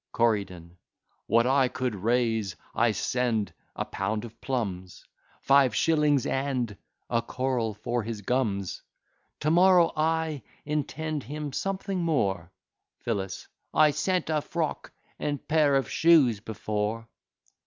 CORYDON What I could raise I sent; a pound of plums, Five shillings, and a coral for his gums; To morrow I intend him something more. PHILLIS I sent a frock and pair of shoes before.